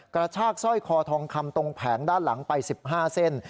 กระชากซ่อยคอทองคำตรงแผงด้านหลังไปสิบห้าเส้น